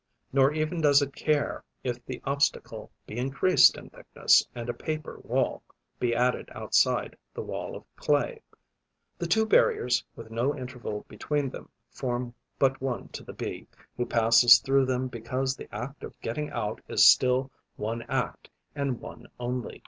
Nor even does it care if the obstacle be increased in thickness and a paper wall be added outside the wall of clay: the two barriers, with no interval between them, form but one to the Bee, who passes through them because the act of getting out is still one act and one only.